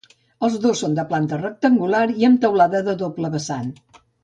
Els dos són de planta rectangular i amb teulada de doble vessant.